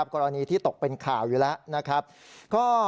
กรณีที่ตกเป็นข่าวอยู่แล้ว